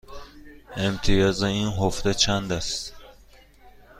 امتیاز این حفره چند است؟